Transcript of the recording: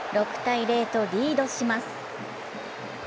６−０とリードします。